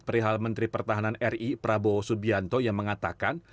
perihal menteri pertahanan ri prabowo subianto yang mengatakan